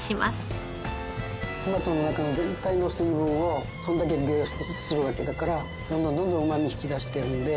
トマトの中の全体の水分をそれだけ利用するわけだからどんどんどんどんうまみを引き出しているので。